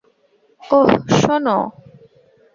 ওহ, শোনো।